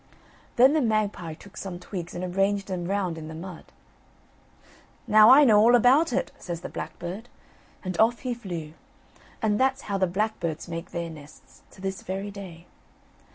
Then the magpie took some twigs and arranged them round in the mud. "Now I know all about it," says the blackbird, and off he flew; and that's how the blackbirds make their nests to this very day.